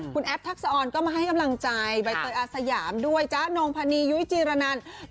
คุณแอฟทักษะออนก็มาให้กำลังใจใบเตยอาสยามด้วยจ๊ะนงพนียุ้ยจีรนัน